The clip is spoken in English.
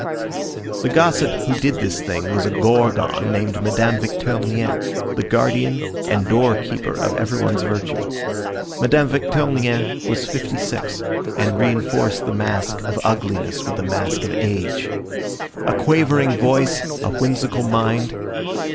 The gossip who did this thing was a gorgon named Madame Victurnien, the guardian and door keeper of every one's virtue. Madame Victurnien was fifty six, and re enforced the mask of ugliness with the mask of age. A quavering voice, a whimsical mind.